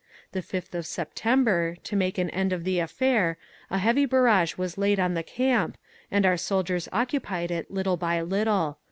The 5th of September, to make an end of the affair, a heavy barrage was laid on the camp, and our soldiers occupied it little by little.